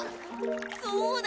そうだ！